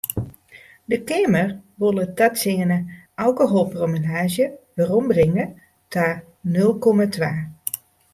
De Keamer wol it tastiene alkoholpromillaazje werombringe ta nul komma twa.